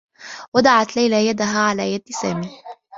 وضعت ليلى يدها على يد سامي.